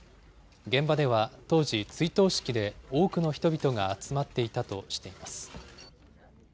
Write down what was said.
現場では当時、追悼式で多くの人々が集まっていたとしています。